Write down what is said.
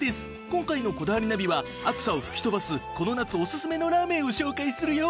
今回の『こだわりナビ』は暑さを吹き飛ばすこの夏おすすめのラーメンを紹介するよ！